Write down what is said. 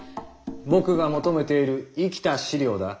僕が求めている生きた資料だ。